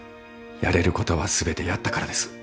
やれることは全てやったからです。